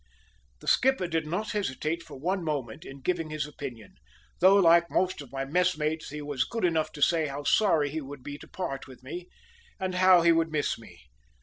The skipper did not hesitate for one moment in giving his opinion, though, like most of my mess mates, he was good enough to say how sorry he would be to part with me, and how he would miss me.